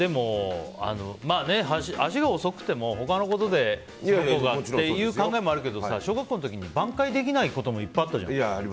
足が遅くても他のことでっていう考えもあるけど小学校の時に挽回できないこともいっぱいあったじゃん。